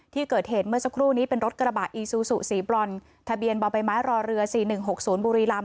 ที่เกิดเหตุเมื่อสักครู่นี้เป็นรถกระบะอีซูสุสีบร่อนทะเบียนบ่อยไม้รอเรือสี่หนึ่งหกศูนย์บุรีลำ